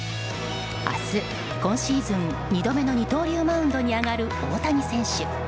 明日、今シーズン２度目の二刀流マウンドに上がる大谷選手。